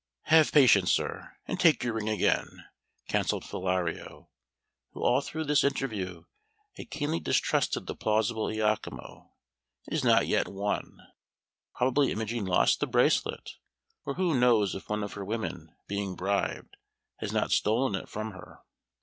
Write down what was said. "Have patience, sir, and take your ring again," counselled Philario, who all through this interview had keenly distrusted the plausible Iachimo. "It is not yet won. Probably Imogen lost the bracelet; or who knows if one of her women, being bribed, has not stolen it from her?"